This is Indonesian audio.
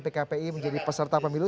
pkpi menjadi peserta pemilu